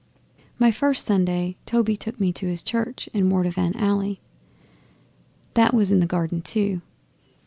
My first Sunday, Toby took me to his church in Moravian Alley; and that was in a garden too.